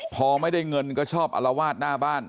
พอไม่ได้เงินก็ชอบอลวาดหน้าบ้าน